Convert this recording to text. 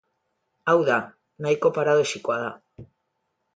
Hau da, nahiko paradoxikoa da.